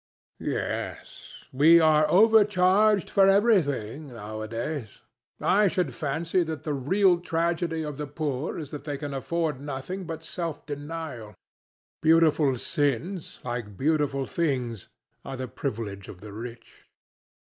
"Yes, we are overcharged for everything nowadays. I should fancy that the real tragedy of the poor is that they can afford nothing but self denial. Beautiful sins, like beautiful things, are the privilege of the rich."